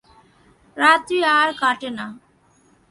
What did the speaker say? রাত্রি আর কাটে না।